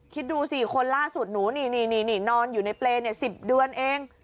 คิดดูสิคนล่าสุดหนูนี่นอนอยู่ในเปรย์๑๐เดือนเอง